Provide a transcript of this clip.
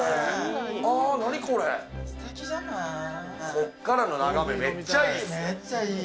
ここからの眺めめっちゃいいですね。